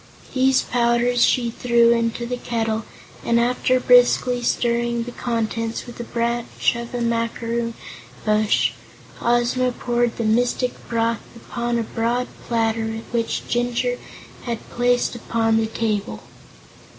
These powders she threw into the kettle and after briskly stirring the contents with a branch from a macaroon bush, Ozma poured the mystic broth upon a broad platter which Jinjur had placed upon the table.